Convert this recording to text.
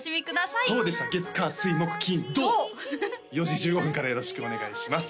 ４時１５分からよろしくお願いします